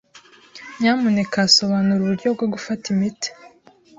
Nyamuneka sobanura uburyo bwo gufata imiti.